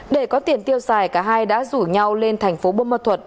để có tiền tiêu xài cả hai đã rủ nhau lên tp bông môn thuật